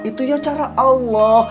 itu ya cara allah